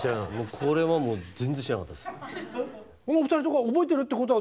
これはもう全然知らなかったです。